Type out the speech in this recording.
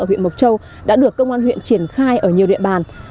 ở huyện mộc châu đã được công an huyện triển khai ở nhiều địa bàn